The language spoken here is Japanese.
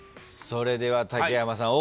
それでは竹山さん